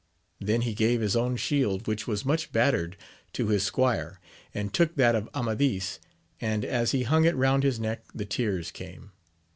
Then he gave his own shield, which was much battered, to his squire, and took that of Amadis, and as he hung it round his neck the tears came.